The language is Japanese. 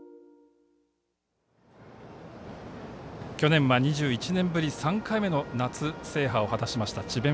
去年は２１年ぶり３回目の夏、制覇を果たしました智弁